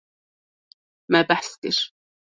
Me behs kir.